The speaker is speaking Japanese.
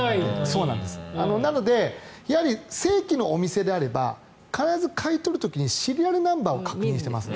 なので正規のお店であれば必ず買い取る時にシリアルナンバーを確認しています。